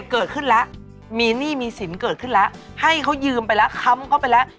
เกิดขึ้นแล้วมีหนี้มีสินเกิดขึ้นแล้วให้เขายืมไปแล้วค้ำเข้าไปแล้ว